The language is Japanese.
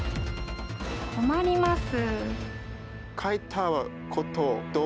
困ります。